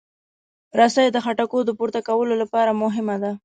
رسۍ د خټکو د پورته کولو لپاره مهمه ده.